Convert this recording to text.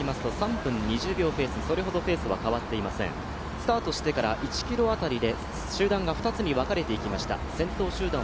スタートしてから１ｋｍ辺りで集団が分かれていきました。